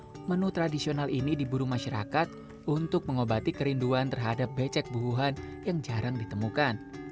jadi nasi bungkus daun jati tradisional ini diburu masyarakat untuk mengobati kerinduan terhadap becek buuhan yang jarang ditemukan